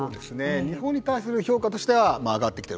日本に対する評価としては上がってきてる。